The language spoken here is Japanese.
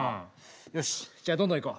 よしじゃあどんどんいこう。